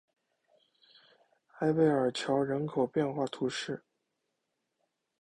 埃贝尔桥人口变化图示